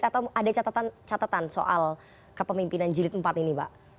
atau ada catatan catatan soal kepemimpinan jilid empat ini pak